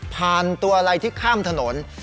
ตัวอะไรที่ข้ามถนน